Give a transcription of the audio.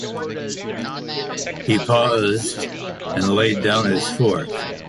He paused, and laid down his fork.